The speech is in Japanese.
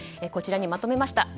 こちらにまとめました。